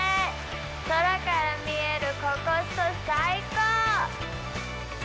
空から見えるココス島、最高！